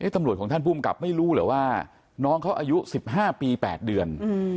ของท่านภูมิกับไม่รู้เหรอว่าน้องเขาอายุ๑๕ปี๘เดือน